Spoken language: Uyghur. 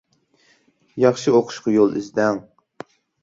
ياخشى ئوقۇشقا يول ئىزدەڭ.